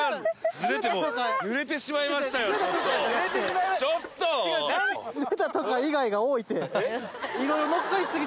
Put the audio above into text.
ずれたとか以外がおおいて。